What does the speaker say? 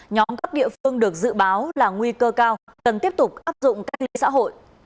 nhóm các địa phương được dự báo là nguy cơ cao cần tiếp tục áp dụng cách ly xã hội